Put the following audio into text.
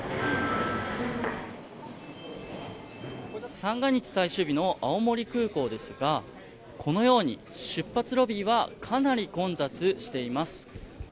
三が日最終日の青森空港ですがこのように出発ロビーはかなり混雑しています。